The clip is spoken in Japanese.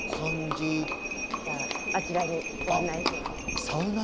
じゃああちらにご案内します。